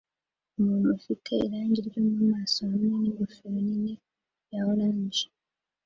Umuntu ufite irangi ryo mumaso hamwe ningofero nini ya orange